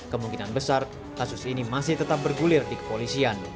kemungkinan besar kasus ini masih tetap bergulir di kepolisian